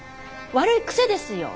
悪い癖ですよ。